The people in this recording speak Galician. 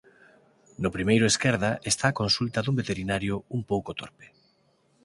No primeiro esquerda está a consulta dun veterinario un pouco torpe.